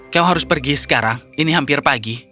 kau harus pergi sekarang ini hampir pagi